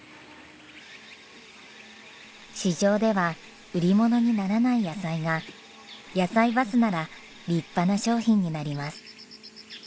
市場では売り物にならない野菜がやさいバスなら立派な商品になります。